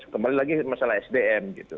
kembali lagi masalah sdm gitu